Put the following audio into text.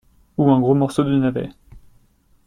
Ou un gros morceau de navet.